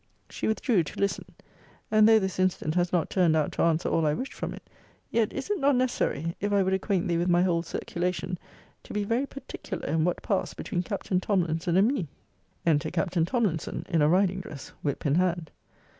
She withdrew to listen. And though this incident has not turned out to answer all I wished from it, yet is it not necessary, if I would acquaint thee with my whole circulation, to be very particular in what passed between Captain Tomlinson and me. Enter Captain Tomlinson, in a riding dress, whip in hand.